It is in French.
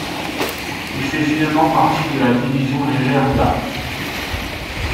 Il fait finalement partie de la division légère d'A.